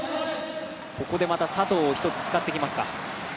ここでまた佐藤を一つ使ってきますか。